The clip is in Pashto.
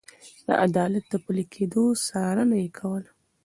د عدالت د پلي کېدو څارنه يې کوله.